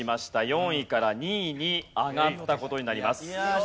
４位から２位に上がった事になります。